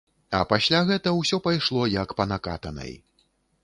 А пасля гэта ўсё пайшло як па накатанай.